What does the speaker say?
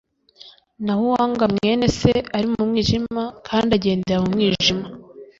naho uwanga mwene Se ari mu mwijima kandi agendera mu mwijima,